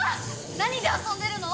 何で遊んでるの？